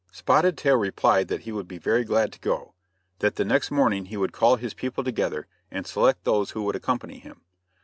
Spotted Tail replied that he would be very glad to go; that the next morning he would call his people together and select those who would accompany him.